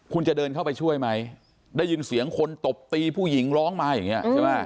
คุณจะเดินเข้าไปช่วยไหมได้ยินเสียงคนตบตีผู้หญิงร้องมาอย่างนี้ใช่ไหม